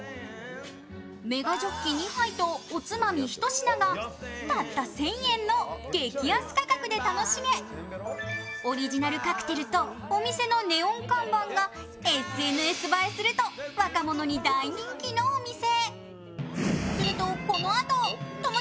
メガジョッキ２杯とおつまみ１品がたった１０００円の激安価格で楽しめオリジナルカクテルとお店のネオン看板がＳＮＳ映えすると若者に大人気のお店。